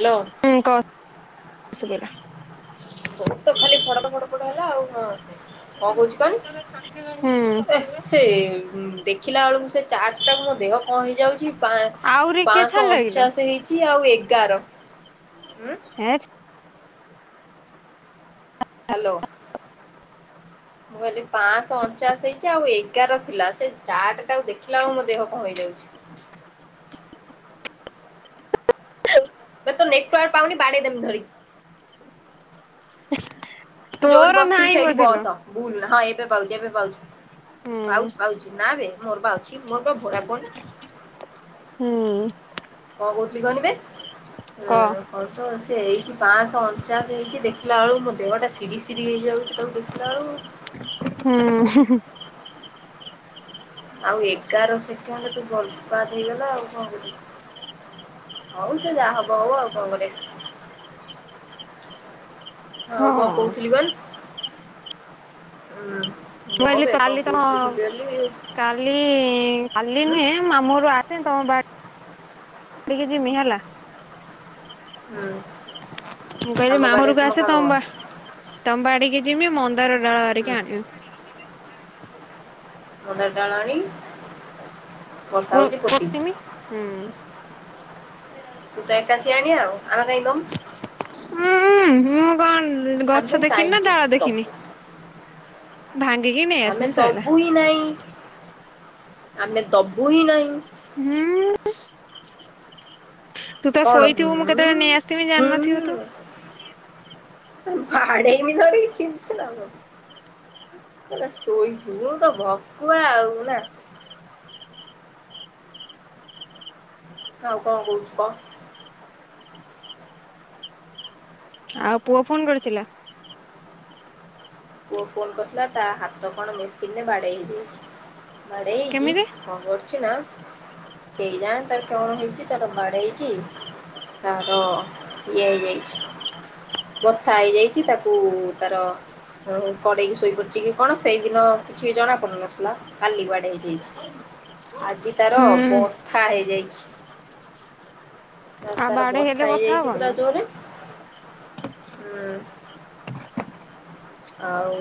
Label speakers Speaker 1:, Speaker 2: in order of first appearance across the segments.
Speaker 1: Hello.
Speaker 2: ନାଇ କ ସୁବିଲା।
Speaker 1: ତୋ ତ ଖାଲି ଫଡ ଫଡ ଫଡ ହେଲା ଆଉ ହଁ। କଣ କହୁଛିୁ କଣ ଏ
Speaker 2: ହୁଁ
Speaker 1: ସେ ଦେଖିଲା ବେଳକୁ ସେ। ଚାରଟ ଟାକୁ ମୋ ଦେହ କଣ ହେଇଯାଉଛି
Speaker 2: ଆହୁରି କିଏ
Speaker 1: ପାଞ୍ଚଶହ
Speaker 2: ଛାଡ଼ିଲା କିଲୋ
Speaker 1: ଅଣଚାଶ ହେଇ। ଆଉ ଏଗାର ହଁ।
Speaker 2: ହେ
Speaker 1: ହ୍ୟାଲୋ। ମୁଁ କହିଲି ପାଞ୍ଚଶହ ଅଣଚାଶ ହେଇଛି ଆଉ ଏଗାର ଥିଲା ସେ ଚାଟ ଟା ଦେଖିଲା ଆଉ ମୋ ଦେହ କଣ ହେଇଯାଉଛି। ବେ ତ ନେଟୱାର୍ ପାଉନି ବାଡେଇ ଦେ ଧରି କି। ତୁ ଯୋଉଠି
Speaker 2: ତୋର
Speaker 1: ବସିଥିଲୁ
Speaker 2: ନାହିଁ
Speaker 1: ସେଇଠି
Speaker 2: ବୋଧେ ଲୋ
Speaker 1: ବସ ବୁଲ ନାଁ ହଁ ଏବେ ପାଉଛୁ ଏବେ ପାଉଛୁ।
Speaker 2: ହୁଁ
Speaker 1: ପାଉଛି ପାଉଛି ନା ବେ ମୋରପା ଅଛି ମୋରବା ଭୋଡା ଫୋନ୍।
Speaker 2: ହୁଁ।
Speaker 1: କଣ କହୁଥିଲି କହନି ବେ
Speaker 2: [inaudible] ଁ
Speaker 1: ଉଁ କଣ ତ ସେ ହେଇଛି ପାଞ୍ଚ ଅଣଚାଶ ହେଇଛି ଦେଖିଲା ବେଳୁ ମୋ ଦେହଟା ସି଼ରି ସିରି ହେଇଯାଉଛି। ତାକୁ ଦେଖିଲା ବେଳୁକୁ
Speaker 2: ହୁଁ।
Speaker 1: ଆଉ ଏଗାର ସେକେଣ୍ଡରେ ତୁ ଗଲପାତ ହେଇଗଲା ଆଉ କଣ କରିବୁ। ହଉ ସେ ଯାହା ହବ ହଉ ଆଉ କଣ କରିବା।
Speaker 2: ହଁ
Speaker 1: ଆଉ କଣ
Speaker 2: ମୁଁ
Speaker 1: କହୁଥିଲି କହନି ହଁ।
Speaker 2: କହିଲି
Speaker 1: ରହବେ
Speaker 2: କାଲି
Speaker 1: କଣ
Speaker 2: ତମ
Speaker 1: କହୁଥିଲି ଭୁଲି ଗଲି।
Speaker 2: କାଲି କାଲି ନୁହେଁ ଆମୁ ଘରୁ ଆସେ ତମ ବା କାଲିକି ଯମି ହେଲା। ମୁଁ
Speaker 1: ଆମ
Speaker 2: କହିଲି ମାମୁଁ
Speaker 1: ବାଡିରେ
Speaker 2: କୁ
Speaker 1: ତୁମ
Speaker 2: ଆସେ
Speaker 1: କାମ କଣ
Speaker 2: ତମବା ତମ୍ ବାଡିକି ଜିମି ମନ୍ଦାର ଡାଳ
Speaker 1: ହୁଁ
Speaker 2: ଆଣିକି ଆଗେ
Speaker 1: ମନ୍ଦାର ଡାଳ ଆଣି ବର୍ଷା ହଉଛି ପୋତିବୁ
Speaker 2: ପୋତିମି।
Speaker 1: ତୁ ଏକା ଶିଆଣିଆ ଆମେ କାହିଁ ଦମୁ।
Speaker 2: ଉୁଁଁ ମୁଁ କଣ
Speaker 1: ଆମେ
Speaker 2: ଗଛ ଦେଖିନି ନା
Speaker 1: କାହିଁକି
Speaker 2: ଡାଳ ଦେଖିନି।
Speaker 1: ଦବୁ
Speaker 2: ଭାଙ୍ଗିକି ନେ
Speaker 1: ଆମେ ଦବୁ ହିଁ ନାହିଁ ଆମେ ଦବୁ ହିଁ ନାହିଁ।
Speaker 2: ହୁଁ। ତୁ ତ
Speaker 1: କଣ
Speaker 2: ଶୋଇଥିବୁ ମୁଁ
Speaker 1: ହୁଁ
Speaker 2: କେତେବେଳେ ନେଇ ଆସିଥିବି
Speaker 1: ହଁ।
Speaker 2: ଜାଣିନଥିବୁ ତୁ
Speaker 1: ବାଡେଇମିି ଧରିକି ଚିନଚୁ ନା। କହିଲା ଶୋଇବୁ ମୁଁ ତ ଭକୁଆ ଆଉ ନା। ଆଉ କଣ କହୁଛୁ କହ?
Speaker 2: ଆଉ ପୁଅ ଫୋନ୍ କରିଥିଲା?
Speaker 1: ପୁଅ ଫୋନ କରିଥିଲା ତା ହାତ କଣ ମେସିନରେ ବାଡେଇ ହେଇଯାଇଛି। ବାଡେଇହେଇକି
Speaker 2: କେମିତି
Speaker 1: କଣ କରିଛିନା କେଇଯାଣି ତାର କଣ ହେଇଛି ତାର ବାଡେଇଇକି ତାର ଇଏ ହେଇଯାଇଛି। ବଥା ହେଇଯାଇଛି ତାକୁ ତାର ହ କଡେଇକି ଶୋଇ ପଡିଛି କି କଣ ସେଇଦିନ କିଛି ଜଣା ପଡୁନଥିଲା କାଲି ବାଡେଇ ହେଇଯାଇଛି। ଆଜି ତାର
Speaker 2: ହୁଁ
Speaker 1: ବଥା ହେଇଯାଇଛି।
Speaker 2: ଆଉ
Speaker 1: ତାର
Speaker 2: ବାଡେଇ ହେଲେ
Speaker 1: ବଥା
Speaker 2: କଥା
Speaker 1: ହେଇଯାଇଛି
Speaker 2: ହବନି
Speaker 1: ପୁରା
Speaker 2: ନା
Speaker 1: ଜୋରେ ହୁଁ। ଆଉ।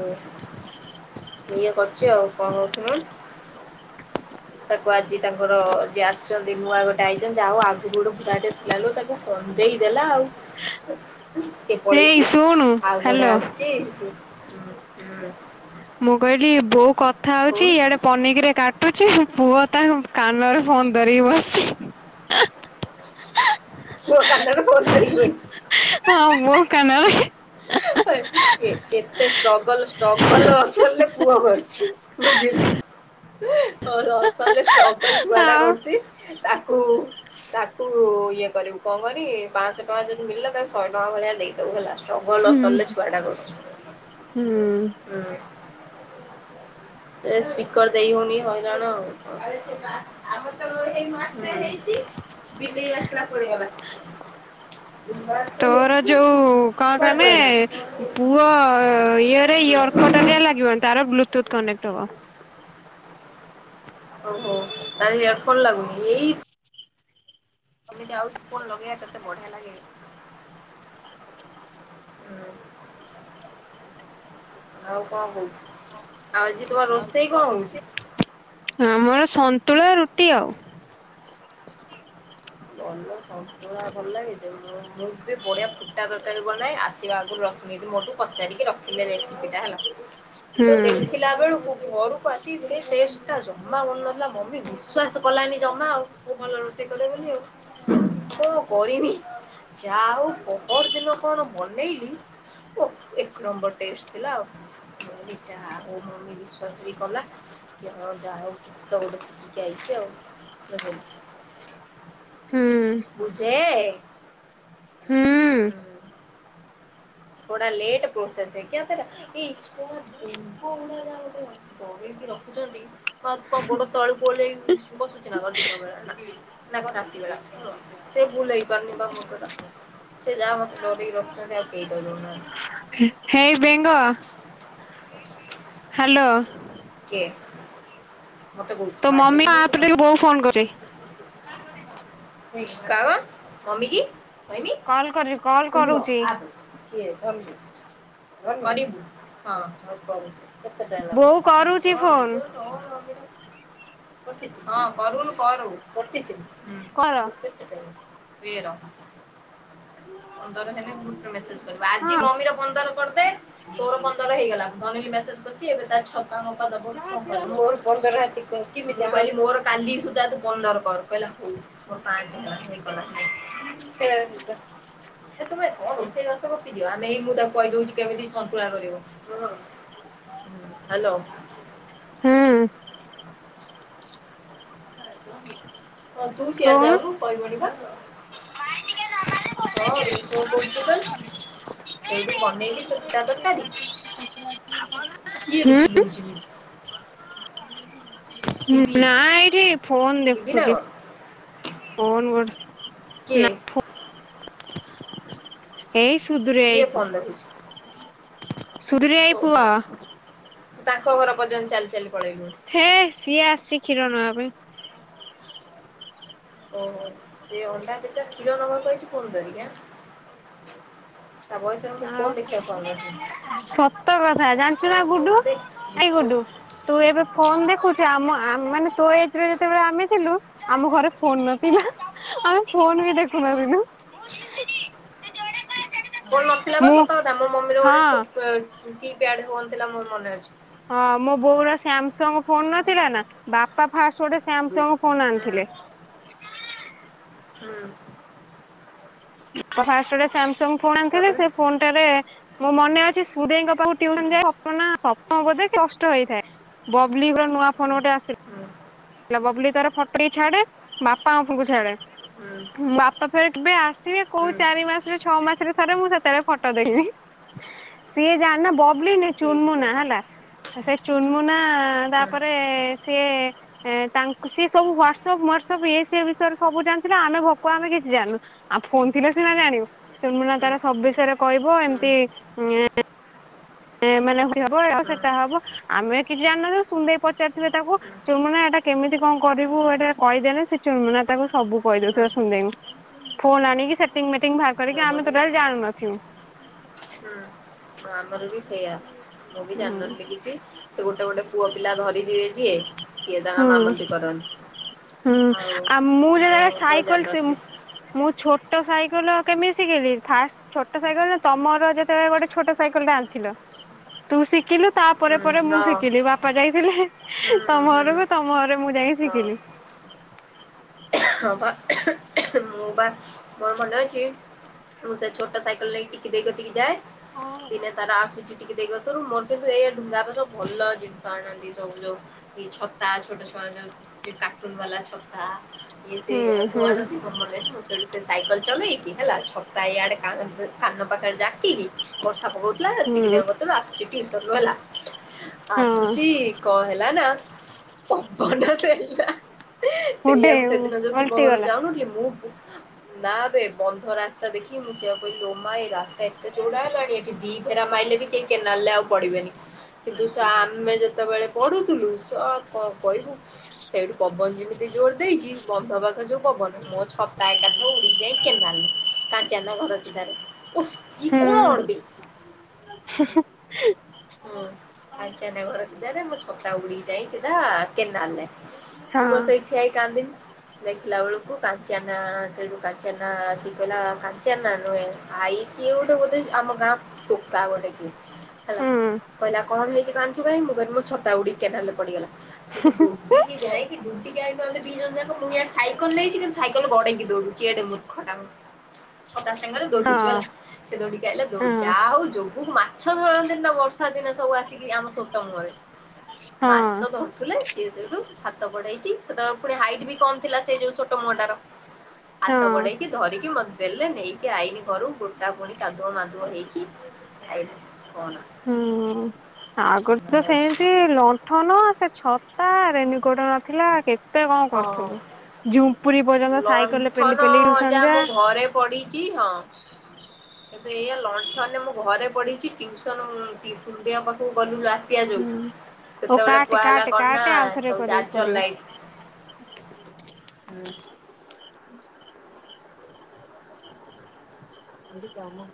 Speaker 1: ଇଏ କରିଛି ଆଉ କଣ ହଉଥିଲା? ତାକୁ ଆଜି ତାଙ୍କର ଯିଏ ଆସିଛନ୍ତି ନୂଆ ଗୋଟେ ଆଇଛନ୍ତି ଯାହା ହଉ ଆଗକୁ ଗୋଟେ ବୁଢା ଟେ ଥିଲା ଲୋ ତାକୁ କନ୍ଦେଇଦେଲା ଆଉ।
Speaker 2: ଏଇ ଶୁଣୁ ହ୍ୟାଲୋ।
Speaker 1: ଇସ୍।
Speaker 2: ମୁଁ କହିଲି ବୋଉ କଥା ହଉଛି ଇଆଡେ ପନିକିରେ କାଟୁଛି ପୁଅ ତା କାନରେ ଫୋନ୍ ଧରିକି ବସଛି।
Speaker 1: ପୁଅ କାନରେ ଫୋନ୍ ଧରିକି ବସିଚି।
Speaker 2: ହଁ ମୋ କାନରେ ବି।
Speaker 1: କେତେ ଷ୍ଟ୍ରଗଲ୍ ଷ୍ଟ୍ରଗଲ୍ କରିଲେ ପୁଅ କରିଛି ବୁଝିଲୁ। ଲେ ଷ୍ଟ୍ରଗଲ୍ ଛୁଆ ଟା
Speaker 2: ଆଉ
Speaker 1: କରୁଛି ତାକୁ ତାକୁ ଇଏ କରିବୁ କଣ କରନି ପାଞ୍ଚଶହ ଟଙ୍କା ଯଦି ମିଳିଲା ତାକୁ ଶହେ ଟଙ୍କା ଭଳିଆ ଦେଇଦବୁ ହେଲା। ନଗଲ
Speaker 2: ହୁଁ
Speaker 1: ନସାଲରେ ଛୁଆଟା କରିଚି।
Speaker 2: ହୁଁ
Speaker 1: ହୁଁ ସେ ସ୍ପିକର୍ ଦେଇ ହଉନି ହଇରାଣ ଆଉ ଆମ ତ ହେଇ ମାସ ହେଇଛି ବିଲେଇ ଆସିଲା ପଡିଗଲା ବା
Speaker 2: ତୋର ଯୋଉ କଣ
Speaker 1: କୁଆଡେ
Speaker 2: କହାନେ
Speaker 1: ପଳେଇଲା?
Speaker 2: ପୁଅ ଇଏରେ ଇଅର କଟରିଆ ଲାଗିବନି ତାର ବ୍ଲୁଟୁଥ୍ କନେକ୍ଟ ହବ
Speaker 1: ଓହୋ ତାରଲେ ଏୟଡ଼ଫୋନ୍ ଲାଗୁନି ଏଇ ଏମତି ଆଉ ପୁଣ ଲଗେଇବା କେତେ ବଢିଆ ଲାଗେ ଆଉ କଣ କହୁଛି ଆଉ ଆଜି ତୁମ ରୋଷେଇ କଣ ହଉଛି
Speaker 2: ଆମର ସନ୍ତୁଳା ରୁଟି ଆଉ
Speaker 1: ଭଲ ସା ଭଲ ଲାଗେଛି ମୁଁ ବି ବଢିଆ ଫୁଟା ତରଟାରେ ବନାଏ ଆସିବା ଆଗରୁ ରଶମୀ ମୋଠୁ ପଚାରି ରଖ ରେସିପି ଟା ହେଲା ତ
Speaker 2: ହୁଁ
Speaker 1: ଦେଖ ପିଲା ବେଳକୁ ଘରକୁ ଆସି ସେ ଟ ଟା ଜମା କରୁନଥିଲା ମମମି ବିଶ୍ୱାସ କଲାନ ଜମା ଆଉ ଭଲ ରୋଷେଇ କରେ ବୋଲି ଆଉ କ କରିନି ଯା ଆଉ ପହର ଦିନ କଣ ମନେଇଲି ଓ ଏକ ନମ୍ବର ଟେସଥିଲା ଆଉଉ ବିଶ୍ୱାସ ବି କଲା କି ହଁ ଯାହା ହଉ କିଛି ତ ଗୋଟେ ଶିଖିକି ଆଇଛି ଆଉଉ
Speaker 2: ହୁଁ
Speaker 1: ବୁଝେ
Speaker 2: ହୁଁ
Speaker 1: ହୁଁ ଥୋଡା ଲେଟ୍ ପ୍ରୋସେସ୍ ଏ କାତରେ ଏ ଷ୍ଟ ଦବ ଯ କଣକି ରଖୁଛନ୍ତି ବା କଣ ଗୋଟ ତଳକୁ ବସୁଛି ନା କ ଦିିନ ବେଳା ନା ନା କଣ ରାତି ବେଳା ହୁ ସେ ଭୁଲ ହେଇ ପାରୁନି ବା ମୁଣ୍ଡର ସେ ଯାହା ମତେ ନୋର ରଖ ଆଉ କେେଇଟଲୁ ନା
Speaker 2: ହେଇ ବେଙ୍ଗ ହ୍ୟାଲୋ
Speaker 1: ମତେ କହୁ
Speaker 2: ତୋ
Speaker 1: ବାର୍ଥଡେ
Speaker 2: ମମି
Speaker 1: କି ନା
Speaker 2: ଆପରେ ବୋଉ ଫୋନ କରୁଛି
Speaker 1: [unintelligible] ମମି କି।
Speaker 2: କଲ କରି କଲ କରୁଛି ବୋଉ
Speaker 1: [unintelligible] [unintelligible]
Speaker 2: କରୁଛି ଫୋନ
Speaker 1: [unintelligible] ହଁ କରୁନୁ କର। [unintelligible]
Speaker 2: କର
Speaker 1: [unintelligible] ପନ୍ଦର ହେଲେ ଗୋଟେ ମେସେଜ୍ କରିବୁ। ଆଜି
Speaker 2: ହଁ
Speaker 1: ମମିର ପନ୍ଦର କରିଦେ ତୋର ପନ୍ଦ ର ହେଇଗଲା। ଅନିଲ୍ ମେସେଜ କରିଚି ଏବେ ତାର ଛପା ମପା ଦବ କି କଣ କରିବ। ମୋର [unintelligible] ମୁଁ କହିଲ ମୋର କାଲିକି ତୁ ପନ୍ଦର କର। କହିଲା ହଉ ମୋର ପାଞ୍ଚ ହେଇଗଲା। ହେଇ କଲା। ସେ ତୁମେ ରୋଷେଇ ବାସ ଗପିଦିଅ। ଆମେ ଏଇ ମୁଁ ତାକୁ କହିଦଉଚି କେମିତି ସନ୍ତୁଳା କରିବ। ହାଲୋ।
Speaker 2: ହୁଁ।
Speaker 1: ହଁ ତୁ ସିଆଡେ
Speaker 2: କହୁନୁ
Speaker 1: ଯାଉନୁ। [unintelligible] [unintelligible] ସେଉଠୁ ବନେଇଲି ସେ ପୁଟା ତରକାରୀ। କିଏ ଏବେ
Speaker 2: ହୁଁ
Speaker 1: ଚିଲଉଚି ଏମିତି। ଟିଭି
Speaker 2: [unintelligible] ନା ଏଇଠି ଫୋନ୍
Speaker 1: ଟିଭି ନା
Speaker 2: ଦେଖୁଚି।
Speaker 1: କଣ
Speaker 2: ଫୋନ୍ ଗୋଟେ
Speaker 1: କିଏ
Speaker 2: ନା ଫୋ ଏଇ ସୁଧୁରୀ ଭାଇ
Speaker 1: କିଏ ଫୋନ ଦେଖୁଛି
Speaker 2: ପୁଅ। ସୁଧୁରୀ ଭାଇ
Speaker 1: ଓହୋ
Speaker 2: ପୁଅ।
Speaker 1: ତୁ ତାଙ୍କ ଘର ପର୍ଯ୍ୟନ୍ତ ଚାଲି ଚାଲି ପଳେଇଲୁଣି।
Speaker 2: ହେ ସିଏ ଆସିଚି କ୍ଷୀର ନବା ପାଇଁ।
Speaker 1: ଓହୋ। ସେ ଅଣ୍ଡା ପେଚା କ୍ଷୀର ନବାକୁ ଆଇଚି ଫୋନ୍ ଧରିକି ଆଁ। ତା ବୟସରେ ମୁଁ
Speaker 2: ଆଉ।
Speaker 1: ଫୋନ ଦେଖିବାକୁ ପାଉନଥିଲି
Speaker 2: ସତ କଥା ଜାଣିଚୁ ନା
Speaker 1: ଓହୋ
Speaker 2: ଗୁଡୁ
Speaker 1: ଇବେ
Speaker 2: ଏଇ ଗୁଡୁ। ତୁ ଏବେ ଫୋନ୍ ଦେଖୁଚୁ ଆମ ମାନେ ତୋ ଏଜ୍ ର ଯେତେବେଳେ ଆମେ ଥିଲୁ ଆମ ଘରେ ଫୋନ୍ ନଥିଲା। ଆମେ ଫୋନ୍ ବି ଦେଖୁନଥିଲୁ। [unintelligible]
Speaker 1: ଥିଲା ପା ସତ କଥା। ମୋ ମମିର
Speaker 2: ହଁ
Speaker 1: ଗୋଟେ କି ପ୍ୟାଡ ଫୋନ୍ ଥିଲା ମୋର ମନେ ଅଛି।
Speaker 2: ହଁ ମୋ ବୋଉ ର ସାମସଙ୍ଗ ଫୋନ ନଥିଲା ନା। ବାପା ଫାଷ୍ଟ ଗୋଟେ ସାମସଙ୍ଗ ଫୋନ
Speaker 1: ହୁଁ
Speaker 2: ଆଣିଥିଲେ।
Speaker 1: ହୁଁ।
Speaker 2: ବାପା ଫାଷ୍ଟ ଗୋଟେ ସାମସଙ୍ଗ ଫୋନ୍ ଆଣିଥିଲେ।
Speaker 1: ତାପରେ
Speaker 2: ସେ ଫୋନ ଟାରେ ମୋର ମନେ ଅଛି। [unintelligible]
Speaker 1: ହୁଁ
Speaker 2: ଟ୍ୟୁସନ୍ ଯାଏ। ସପ୍ତ ନା ସପ୍ତମ ବୋଧେ ଷଷ୍ଟ ହେଇଥାଏ। ବବଲି ଘର ନୂଆ ଫୋନ ଗୋଟେ ଆସି
Speaker 1: ହଁ
Speaker 2: ହେଲା। ବବଲି ତାର ଫଟୋ ବି ଛାଡେ, ବାପା ଙ୍କ ଫୋନ୍ କୁ ଛାଡେ।
Speaker 1: ହୁଁ
Speaker 2: ବାପା ଫେର୍ କେବେ ଆସିବେ କୋଉ
Speaker 1: ହୁଁ
Speaker 2: ଚାରି ମାସରେ ଛଅ ମାସରେ ଥରେ ମୁଁ ସେତେବେଳେ ଫଟୋ ଦେଖିବି। ସିଏ ଯା ନା ବବଲି ନୁହେଁ ଚୁନ୍
Speaker 1: ଠିକ୍ ସେ
Speaker 2: ମୁନା ହେଲା। ସେଇ ଚୁନ୍ ମୁନା
Speaker 1: ହୁଁ
Speaker 2: ତାପରେ ସିଏ ଏ ତାଙ୍କୁ ସି ସବୁ ହ୍ୱାଟସଆପ୍ ମ୍ୱାଟସଆପ୍ ଇଏ ସିଏ ବିଷୟରେ ସବୁ ଜାଣିଥିଲା ଆମେ ଭକୁଆ ଆମେ କିଛି ଜାଣିନୁ। ଆମ ଫୋନ୍ ଥିଲେ ସିନା ଜାଣିବୁ। ଚୁନମୁନା
Speaker 1: ହୁଁ
Speaker 2: ତାର ସବୁ ବିଷୟରେ କହିବ ଏମିତି
Speaker 1: ହୁଁ
Speaker 2: ଏ ମାନେ [unintelligible]
Speaker 1: ହୁଁ
Speaker 2: ସେଟା ହବ। ଆମେ କିଛି ଜାଣିନଥିଲୁ ସୁନି ଦେଈ ପଚାରିଥିବେ ତାକୁ
Speaker 1: ହୁଁ
Speaker 2: ଚୁନମୁନା ଏଇଟା କେମିତି କଣ କରିବୁ ଏଇଟା କହିଦେନି ସେ ଚୁନମୁନା ତାକୁ ସବୁ କହିଦେଉଥିବା ସୁନି ଦେଈ କୁ। ଫୋନ ଆଣିକି ସେଟିଙ୍ଗ ମେଟିଙ୍ଗ ବାହାର କରିକି ଆମେ
Speaker 1: ନବଢି
Speaker 2: ଟୋଟାଲ୍ ଜାଣୁନଥିବୁ।
Speaker 1: ହୁଁ। ଆମର ବି ସେୟା। ମୁଁ ବି ଜାଣିନଥିଲି କିଛି। ସେ ଗୋଟେ ଗୋଟେ ପୁଅ ପିଲା ଧରିଥିବେ ଯିଏ ସିଏ ତାଙ୍କର
Speaker 2: ହୁଁ
Speaker 1: ମାମଲତି କରନ୍ତି।
Speaker 2: ହୁଁ।
Speaker 1: ଆଉ
Speaker 2: ଆ ମୁଁ ଯେତେବେଳେ
Speaker 1: ତ
Speaker 2: ସାଇକଲ ସିମ୍
Speaker 1: ଜାଣିନଥିଲି
Speaker 2: ମୁଁ ଛୋଟ ସାଇକେଲ କେମିତି ଶିଖିଲି ଫାଷ୍ଟ ଛୋଟ ସାଇକେଲ ନା ତମର ଯେତେବେଳେ ଗୋଟେ ଛୋଟ ସାଇ କେଲ ଟେ ଆଣିଥିଲ ତୁ ଶିଖିଲୁ ତା ପରେ
Speaker 1: ହୁଁ
Speaker 2: ପରେ ମୁଁ
Speaker 1: ହଁ
Speaker 2: ଶିଖିଲି। ବାପା ଯାଇଥିଲେ,
Speaker 1: ହୁଁ
Speaker 2: ତମ
Speaker 1: ହୁଁ
Speaker 2: ଘରକୁ ତମ ଘରେ ମୁଁ ଯାଇଁକି
Speaker 1: ହଁ
Speaker 2: ଶିଖିଲି।
Speaker 1: ହଁ ପା ମୁଁ, ପା ମୋର ମନେ ଅଛି ମୁଁ, ସେ ଛୋଟ ସାଇକଲ୍ ନେଇକି ଟିକି ଦେଇ କତିକି ଯାଏ। ଦିନେ ତାର ଆସୁଛି ଟିକେ ଦେଇଗତିରୁ, ମୋର କିନ୍ତୁ ଏ ଧୁଙ୍ଗାପା ସବୁ ଭଲ ଜିନିଷ ଆଣନ୍ତି ସବୁ ଯୋଉ ଏଇ ଛତା, ଛୋଟ ଛୁଆ ଯୋଉ କାର୍ଟୁନ ବାଲା ଛତା, ଇଏ ସେ
Speaker 2: ହୁଁ
Speaker 1: ସବୁ
Speaker 2: ହୁଁ
Speaker 1: ଆଣନ୍ତି। ମନେ ଅଛି, ମୁଁ ସେଠୁ ସେ ସାଇକଲ୍ ଚଲେଇକି, ହେଲା ଛତା ଇଆଡେ କା [unintelligible] କାନ ପାଖରେ ଯାକିକି ବର୍ଷା ପକଉଥିଲା, ଟିକି
Speaker 2: ହୁଁ
Speaker 1: ଦେଇଙ୍କ କତିରୁ ଆସୁଛି ଟ୍ୟୁସନ ରୁ ହେଲା।
Speaker 2: ହଁ
Speaker 1: ଆସୁଛି କଁ ହେଲା ନା, ପବନ ଦେଲା ହା।
Speaker 2: ଗୁଡେ
Speaker 1: ସେଇଆକୁ ସେଦିନ ଯୋଉ ତୁମ ଘରକୁ
Speaker 2: ଓଲଟିଗଲା।
Speaker 1: ଯାଉନଥିଲି, ମୁଁ ନା ବେ ବନ୍ଧ ରାସ୍ତା ଦେଖି ମୁଁ ସେଆ କହିଲି ଲୋ, ମା ଏ ରାସ୍ତା ଏତେ ଚଉଡା ହେଲାଣି, ଏଠି ଦି ଭେରା ମାଇଲେ ବି କେହି କେନାଲ୍ ଲେ ଆଉ ପଡିବେନି। କିନ୍ତୁ, ସେ ଆମେ ଯେତେବେଳେ ପଢୁଥୁଲୁ, ସ କଣ କହିବୁ? ସେଇଠୁ ପବନ ଯିମିତି ଜୋର ଦେଇଛି, ବନ୍ଧ ପାଖେ ଯୋଉ ପବନ ମୋ ଛତା ଏକାଥରେ ଉଡିକି ଯାଇ କେନାଲ୍ ରେ କାଞ୍ଚିଆନା ଘର ସିଧାରେ। ଓଫ୍ ଏ
Speaker 2: ହୁଁ
Speaker 1: କୋଣ ବେ!
Speaker 2: [inaudible]
Speaker 1: ହୁଁ, ଆଚିଆନା ଘର ସିଧାରେ, ମୋ ଛତା ଉଡିକି ଯାଇ ସିଧା କେନାଲ ଲେ। ମୁଁ ମର
Speaker 2: ହଁ
Speaker 1: ସେଇଠିଆଇ କାନ୍ଦିନି। ଦେଖିଲା ଅଳକୁୁ କାଞ୍ଚିଆନା ସେଇଠୁ, କାଞ୍ଚିଆନା ଆସିକି କହିଲା, କାଞ୍ଚିଆନା ନୁହେଁ, ଆଈ କିଏ ଗୋଟେ ବୋଧେ ଆମ ଗାଁ ଟୋକା ଗୋଟେ କିଏ? ହେଲା!
Speaker 2: ହୁଁ
Speaker 1: କହିଲା କଣ ହେଇଛି କାନ୍ଦୁଚୁ କାଇଁ? ମୁଁ କହିଲି ମୋ ଛତା ଉଡିିକି କେନାଲ୍ ରେ ପଡିଗଲା। ସେଠୁ ଡ଼ି କି ଯାଇକି, ଦୁଡି କି ଆଇଁଲୁ ଆମେ ଦି ଜଣ ଯାକ। ମୁଁ ଇଆଡ଼େ ସାଇକଲ୍ ନେଇଛି, କିନ୍ତୁ ସାଇକଲ୍ ଗଡେଇିକି ଦୌଡୁଚି ଏଡେ ମୂର୍ ଖଟାମ୍, ଛତା ସାଙ୍ଗରେ
Speaker 2: ହଁ
Speaker 1: ଦୌଡିଚୁ ହେଲା। ସେ ଦୌଡିକି ଆଇଲା,
Speaker 2: ହଁ
Speaker 1: ଯାହା ହଉ ଯୋଗୁକୁ ମାଛ ଧରନ୍ତି ନା ବର୍ଷ ର୍ଷା ଦିନ ସବୁ ଆସିକି ଆମ ସୋଟ ମୁହଁରେ
Speaker 2: ହଁ
Speaker 1: ମାଛ ଧରୁଥିଲେ ସିଏ ସେଇଠୁ, ହାତ ବଢେଇକି ସେତେବେଳେ ପୁଣି ହାଇଟ୍ ବି କମ୍ ଥିଲା, ସେ ଯୋଉ ସୋ ଟ ମୁହଁ ଟାର। ହାତ
Speaker 2: ହଁ।
Speaker 1: ବଢେଇକି ଧରିକି ମତେ ଦେଲେ, ନେଇକି ଆଇନି ଘରୁ ଗୋଟା ପୁଣି କାଧୁଅ ମାଦୁଅ ହେଇକି ଏଇ ଫୋନ
Speaker 2: ହୁଁ। ଆଗରୁ ତ ସେଏଁ
Speaker 1: ଅଛି
Speaker 2: ତି ଲଣ୍ଠନ, ସେ ଛତା, ରେନିକୋଟ ଥିଲା, କେତେ କଣ କରୁଥୁଲୁ?
Speaker 1: ହଁ
Speaker 2: ଝୁମ୍ପୁୁରୀ ପର୍ଯ୍ୟନ୍ତ ସାଇକଲ୍ ରେ ପେଲି ପେଲି ଟିୟୁସନ ଯା
Speaker 1: ପଡିଚି, ହଁ। କିନ୍ତୁ ଏଇଆ ଲଣ୍ଠନେ ମୁଁ ଘରେ ପଢିଛି, ଟିୟୁସନ୍ ବିସ୍ ରୁପୀଆ ପାଖକୁ ଗଲୁ ଆ ପିଆ ଯଉ,
Speaker 2: ହୁଁ ହଉ
Speaker 1: ସେତେବେଳେ
Speaker 2: କାଟେ
Speaker 1: କୁହା ହେଲା
Speaker 2: କାଟେ
Speaker 1: କଣ ନା
Speaker 2: କାଟେ ଆଉଥରେ
Speaker 1: ସବୁ
Speaker 2: କରି
Speaker 1: ଚାର୍ ର୍ଜର
Speaker 2: କରିବା।
Speaker 1: ଲାଇଟ୍ ହୁଁ।
Speaker 2: ଘରେ କାମ